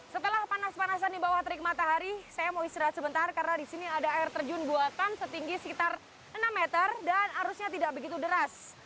setelah panas panasan di bawah terik matahari saya mau istirahat sebentar karena di sini ada air terjun buatan setinggi sekitar enam meter dan arusnya tidak begitu deras